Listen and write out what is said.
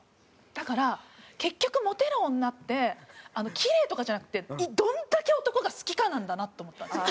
だから結局モテる女ってキレイとかじゃなくてどんだけ男が好きかなんだなと思ったんですよ。